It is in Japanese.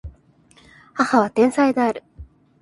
母は天才である